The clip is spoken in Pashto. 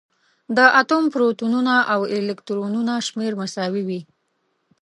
د اتوم پروتونونه او الکترونونه شمېر مساوي وي.